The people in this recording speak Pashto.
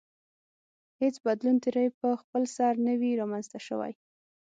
هېڅ بدلون ترې په خپلسر نه وي رامنځته شوی.